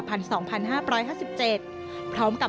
ทำไมเราต้องเป็นแบบเสียเงินอะไรขนาดนี้เวรกรรมอะไรนักหนา